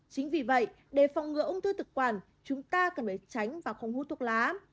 chính vì vậy để phòng ngừa ung thư thực quản chúng ta cần phải tránh và không hút thuốc lá